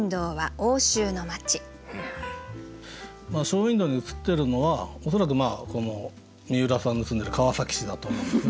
ショーウィンドーに映ってるのは恐らくこの三浦さんの住んでる川崎市だと思うんですよね。